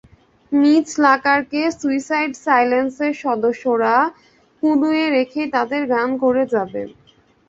Miss লাকারকে suicide সাইলেন্সের সদস্যরা হূদয়ে রেখেই তাঁদের গান করে যাবেন।